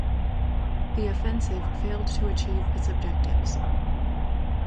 The offensive failed to achieve its objectives.